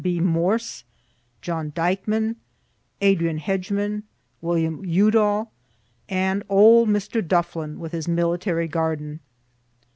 B. Morse, John Dikeman, Adrian Hegeman, William Udall, and old Mr. Duflon, with his military garden.